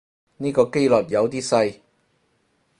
呢個機率有啲細